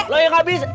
loh yang gak bisa